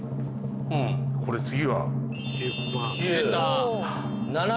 これ次は。